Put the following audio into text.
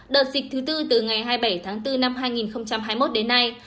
đợt dịch thứ tư từ ngày hai mươi bảy tháng bốn năm hai nghìn hai mươi một đến nay